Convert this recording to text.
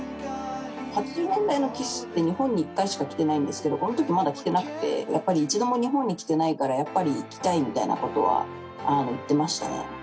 ８０年代のＫＩＳＳって、日本に１回しか来てないんですけど、このときまだ来てなくて、一度も日本に来てないから、やっぱり行きたいみたいなことは言ってましたね。